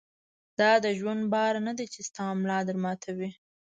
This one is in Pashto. دا دژوند بار نۀ دی چې ستا ملا در ماتوي